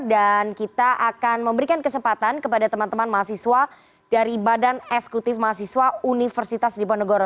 dan kita akan memberikan kesempatan kepada teman teman mahasiswa dari badan eskutif mahasiswa universitas diponegoro